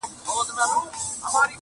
یوه ورځ چي سوه تیاره وخت د ماښام سو؛